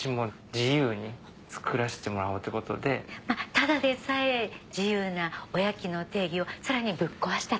ただでさえ自由なおやきの定義をさらにぶっ壊したと。